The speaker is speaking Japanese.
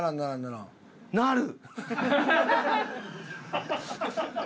なる！